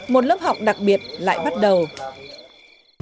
một lớp học đặc biệt lại bắt đầu